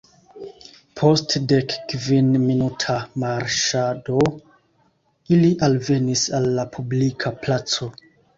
Post dekkvinminuta marŝado ili alvenis al la publika placo.